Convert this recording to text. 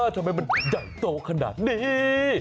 ทำไมมันใหญ่โตขนาดนี้